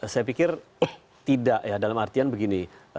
saya pikir tidak ya dalam artian begini